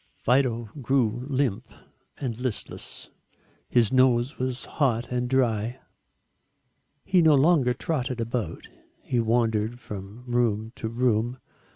Fido grew limp and listless. His nose was hot and dry. He no longer trotted about, he wandered from room to room.